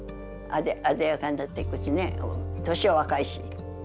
あでやかになっていくしね年は若いし。